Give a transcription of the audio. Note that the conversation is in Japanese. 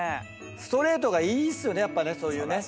ストレートがいいっすよねやっぱね。